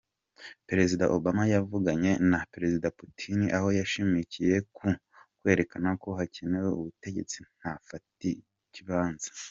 Perezida Obama yavuganye na perezida Putin, aho yashimikiye ku kwerekana ko hakenewe ubutegetsi nfatakibanza.